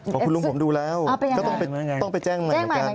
ของคุณลุงผมดูแล้วก็ต้องไปแจ้งใหม่เหมือนกัน